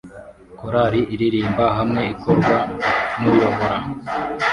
Korali iririmbira hamwe ikorwa nuyobora